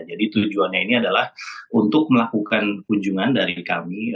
jadi tujuannya ini adalah untuk melakukan kunjungan dari kami